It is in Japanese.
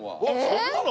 そんなの？